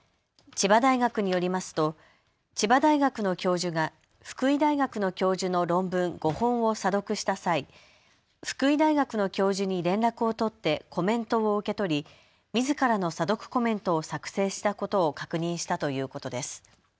千葉大学によりますと千葉大学の教授が福井大学の教授の論文５本を査読した際、福井大学の教授に連絡を取ってコメントを受け取りみずからの査読コメントを作成したことを確認したということです。